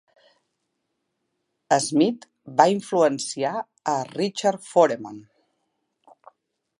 Smith va influenciar a Richard Foreman.